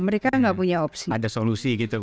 mereka nggak punya opsi